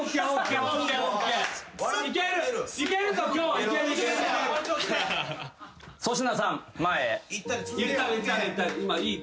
はい。